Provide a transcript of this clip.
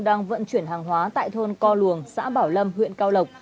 đang vận chuyển hàng hóa tại thôn co luồng xã bảo lâm huyện cao lộc